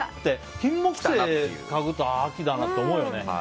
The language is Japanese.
キンモクセイかぐと秋だなって思いますよね。